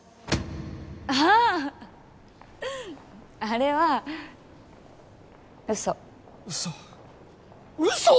あああれは嘘嘘嘘！？